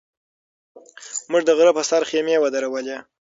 موږ د غره په سر خیمې ودرولې.